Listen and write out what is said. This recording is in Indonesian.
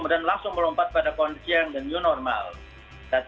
dan langsung melompat pada kondisi yang the new normal